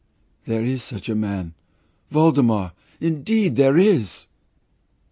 There is such a man, Voldemar, indeed there is!"